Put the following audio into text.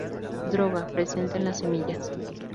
Droga: presente en las semillas.